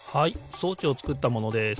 装置を作ったものです。